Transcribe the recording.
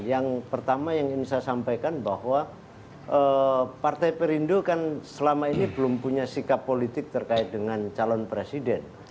yang pertama yang ingin saya sampaikan bahwa partai perindo kan selama ini belum punya sikap politik terkait dengan calon presiden